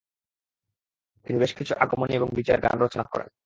তিনি বেশ কিছু আগমণী এবং বিজয়া'র গান রচনা করেন।